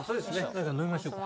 何か飲みましょうか。